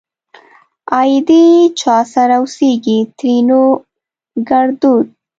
آئيدې چا سره اوسيږ؛ ترينو ګړدود